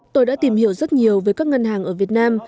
tôi đã tìm hiểu rất nhiều với các ngân hàng ở việt nam